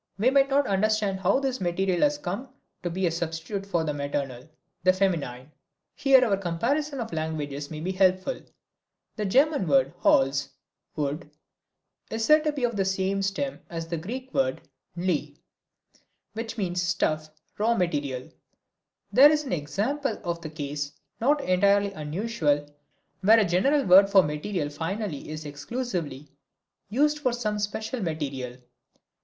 We might not understand how this material has come to be a substitute for the maternal, the feminine. Here our comparison of languages may be helpful. The German word Holz (wood) is said to be from the same stem as the Greek word, νλη, which means stuff, raw material. This is an example of the case, not entirely unusual, where a general word for material finally is exclusively used for some special material.